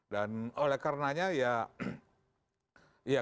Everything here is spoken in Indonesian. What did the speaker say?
dan oleh karenanya ya ya